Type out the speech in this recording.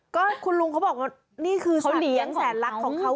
ก็คุณลุงเขาบอกว่านี่คือเขาเลี้ยงแสนรักของเขา